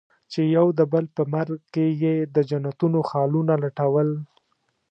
چې يو د بل په مرګ کې يې د جنتونو خالونه لټول.